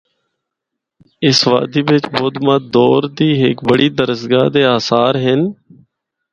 اس وادی بچ بدمت دور دی ہک بڑی درسگاہ دے آثار ہن۔